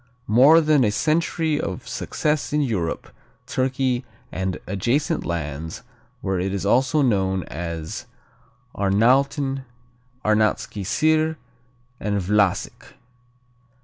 More than a century of success in Europe, Turkey and adjacent lands where it is also known as Arnauten, Arnautski Sir and Vlasic.